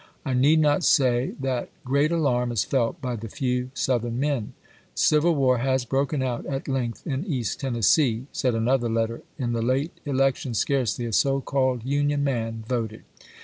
I need not say that great alarm is felt by the few Southern men." " Civil war has broken out at length in East Tennessee," said another letter ;" in the late election scarcely a so called Union man voted.